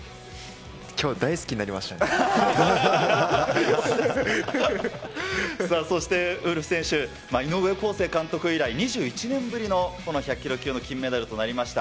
きょう、そして、ウルフ選手、井上康生監督以来、２１年ぶりのこの１００キロ級の金メダルとなりました。